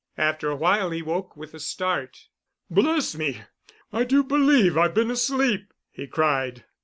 After a while he woke with a start. "Bless me, I do believe I've been asleep," he cried.